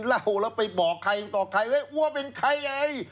แล้วไปบอกใครต่อใครว่าเป็นใคร